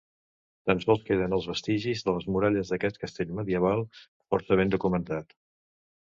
Tan sols queden els vestigis de les muralles d'aquest Castell Medieval força ben documentat.